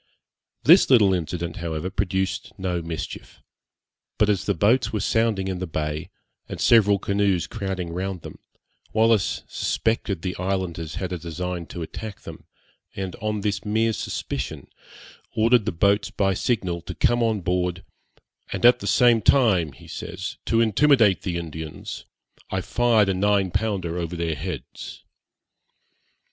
This little incident, however, produced no mischief; but as the boats were sounding in the bay, and several canoes crowding round them, Wallis suspected the islanders had a design to attack them, and, on this mere suspicion, ordered the boats by signal to come on board, 'and at the same time,' he says, 'to intimidate the Indians, I fired a nine pounder over their heads.'